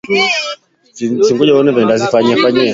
Takribani watu themanini na saba wameuawa na mamia kujeruhiwa